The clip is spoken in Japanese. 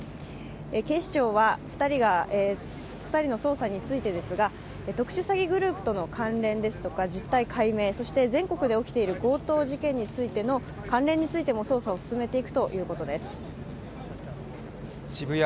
警視庁は２人の捜査についてですが特殊詐欺グループとの関連ですとか実態解明、そして全国で起きている強盗事件についての関連についても捜査を進めていくということです。